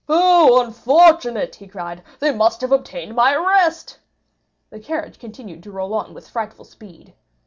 "Oh, unfortunate!" he cried, "they must have obtained my arrest." The carriage continued to roll on with frightful speed.